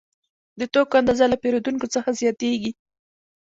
د توکو اندازه له پیرودونکو څخه زیاتېږي